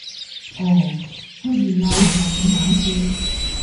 噢出現喇畫緊眼線！